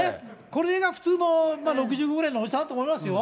これが普通の６５ぐらいのおじさんだと思いますよ。